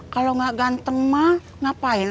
kalau gak ganteng mah ngapain